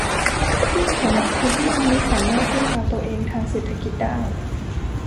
ยิ่งสำหรับคนที่ยังไม่สามารถพึ่งพาตัวเองทางเศรษฐกิจได้